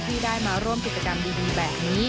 ที่ได้มาร่วมกิจกรรมดีแบบนี้